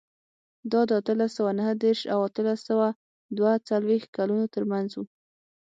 دا د اتلس سوه نهه دېرش او اتلس سوه دوه څلوېښت کلونو ترمنځ و.